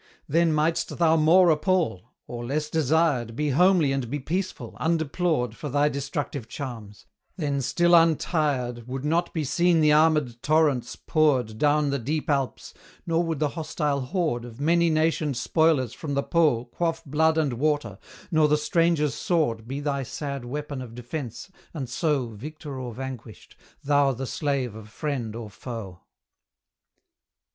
Then mightst thou more appal; or, less desired, Be homely and be peaceful, undeplored For thy destructive charms; then, still untired, Would not be seen the armed torrents poured Down the deep Alps; nor would the hostile horde Of many nationed spoilers from the Po Quaff blood and water; nor the stranger's sword Be thy sad weapon of defence, and so, Victor or vanquished, thou the slave of friend or foe.